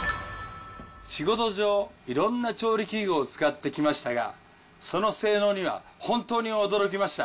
仕事上、いろんな調理器具を使ってきましたが、その性能には本当に驚きました。